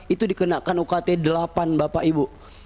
itu dikenakan ukt delapan bapak ibu